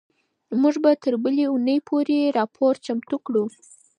موږ به تر بلې اونۍ پورې راپور چمتو کړو.